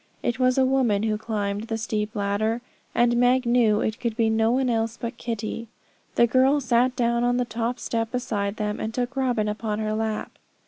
It was a woman who climbed the steep ladder, and Meg knew it could be no one else but Kitty. The girl sat down on the top step beside them, and took Robin upon her lap.